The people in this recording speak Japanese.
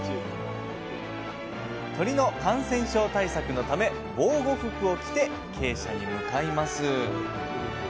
鶏の感染症対策のため防護服を着て鶏舎に向かいます